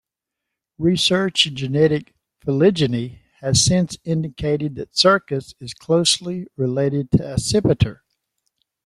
Research in genetic phylogeny has since indicated that "Circus" is closely related to "Accipiter".